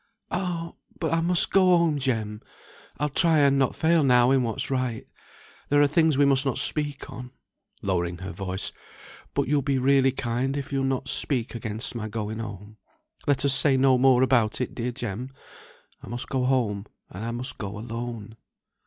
"Ah! but I must go home, Jem. I'll try and not fail now in what's right. There are things we must not speak on" (lowering her voice), "but you'll be really kind if you'll not speak against my going home. Let us say no more about it, dear Jem. I must go home, and I must go alone."